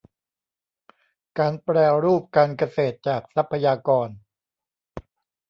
การแปรรูปการเกษตรจากทรัพยากร